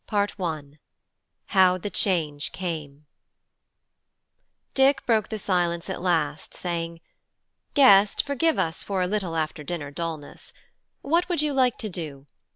CHAPTER XVII: HOW THE CHANGE CAME Dick broke the silence at last, saying: "Guest, forgive us for a little after dinner dulness. What would you like to do?